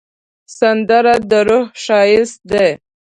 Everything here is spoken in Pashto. سندره د روح ښایست دی